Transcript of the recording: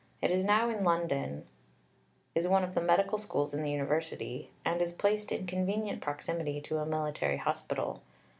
It is now in London, is one of the Medical Schools in the University, and is placed in convenient proximity to a military hospital.